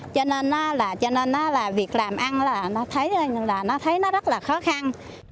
cho nên là việc làm ăn là nó thấy nó rất là khó khăn